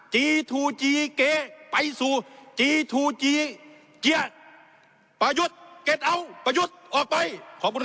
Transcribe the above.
จีทูจีเกไปสู่จีทูจีเจียประยุทธ์เก็ตเอาประยุทธ์ออกไปขอบคุณนะ